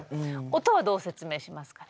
音はどう説明しますかね？